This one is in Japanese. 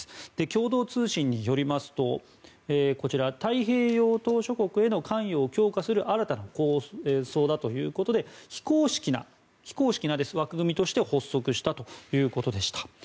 共同通信によりますと太平洋島しょ国への関与を強化するための新たな構想だということで非公式な枠組みとして発足したということでした。